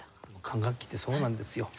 管楽器ってそうなんですよ。